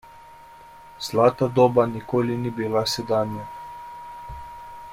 Zlata doba nikoli ni bila sedanja.